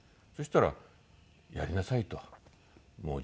そしたら「やりなさい」と。